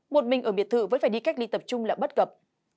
một mình ở biệt thự vẫn phải đi cách ly tập trung là bất cập